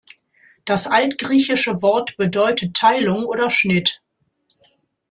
Das altgriechische Wort bedeutet „Teilung“ oder „Schnitt“.